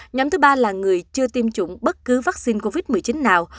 nhóm thứ ba là người chưa tiêm chủng bất cứ vaccine covid một mươi chín nào